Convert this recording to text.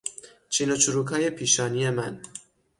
چین و چروکهای پیشانی من